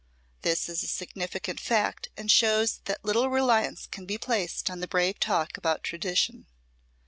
This is a significant fact and shows that little reliance can be placed on the brave talk about tradition.